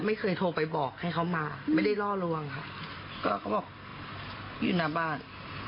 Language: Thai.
ไม่เคยโทรไปบอกให้เขามาไม่ได้ล่อลวงค่ะก็เขาบอกอยู่หน้าบ้าน